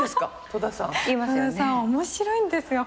戸田さん面白いんですよ